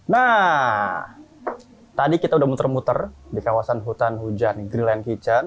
nah tadi kita udah muter muter di kawasan hutan hujan grilliant kitchen